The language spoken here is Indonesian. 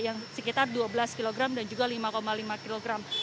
yang sekitar dua belas kg dan juga lima lima kilogram